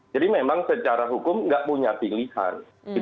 jadi memang secara hukum enggak punya pilihan